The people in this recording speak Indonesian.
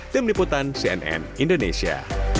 tim liputan cnn indonesia